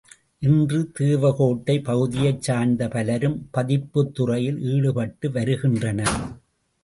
இன்று தேவகோட்டை பகுதியைச்சார்ந்த பலரும் பதிப்புத் துறையில் ஈடுபட்டு வருகின்றனர்.